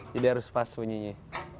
jadi harus pas bunyinya